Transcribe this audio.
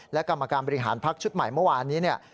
และกรรมการบริหารพักชุดใหม่เมื่อวานนี้เนี่ย